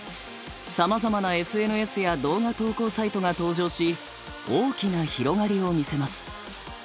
さまざまなＳＮＳや動画投稿サイトが登場し大きな広がりを見せます。